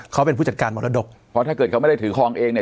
เขาเป็นผู้จัดการมรดกเพราะถ้าเกิดเขาไม่ได้ถือคลองเองเนี่ย